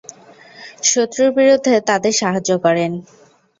শত্রুর বিরুদ্ধে তাদের সাহায্য করেন।